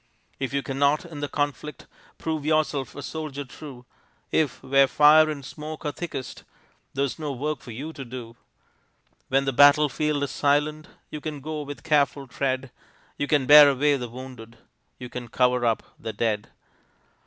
If you cannot in the conflict Prove yourself a soldier true; If, where fire and smoke are thickest, There's no work for you to do; When the battle field is silent, You can go with careful tread; You can bear away the wounded, You can cover up the dead.